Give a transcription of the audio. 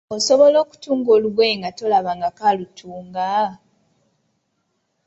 Osobola okutunga olugoye nga tolabanga ko alutunga?